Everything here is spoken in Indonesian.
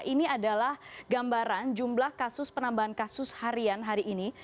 ini adalah gambaran jumlah kasus penambahan kasus harian hari ini